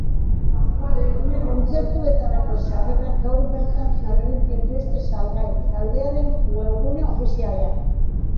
Kontzertuotarako sarrerak gaur bertan jarri dituzte salgai, taldearen webgune ofizialean.